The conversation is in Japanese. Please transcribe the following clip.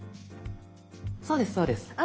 そうですそうです。